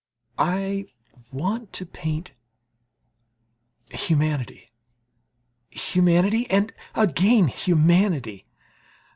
I want to paint humanity, humanity and again humanity.